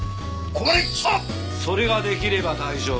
それが出来れば大丈夫。